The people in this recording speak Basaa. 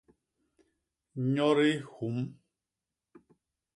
Nyodi hum!